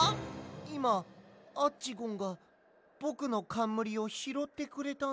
いまアッチゴンがぼくのかんむりをひろってくれたんだ。